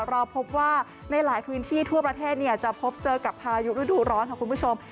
เราพบว่าในหลายพื้นที่ทั่วประเทศจะพบเจอกับพายุฤดูร้อนค่ะคุณผู้ชม